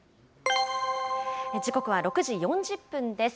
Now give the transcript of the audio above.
時刻は６時４０分です。